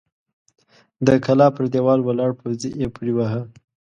د کلا پر دېوال ولاړ پوځي يې پورې واهه!